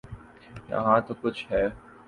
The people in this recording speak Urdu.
یہاں تو کچھ ہے۔